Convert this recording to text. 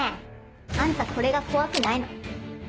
あんたこれが怖くないの？